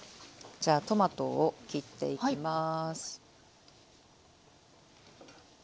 じゃあトマトを切っていきます。